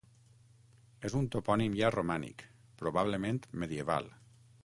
És un topònim ja romànic, probablement medieval.